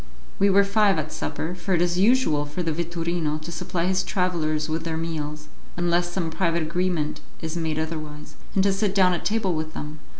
We were five at supper, for it is usual for the vetturino to supply his travellers with their meals, unless some private agreement is made otherwise, and to sit down at table with them.